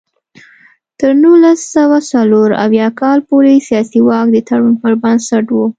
تر نولس سوه څلور اویا کال پورې سیاسي واک د تړون پر بنسټ و.